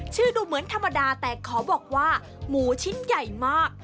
ดูเหมือนธรรมดาแต่ขอบอกว่าหมูชิ้นใหญ่มาก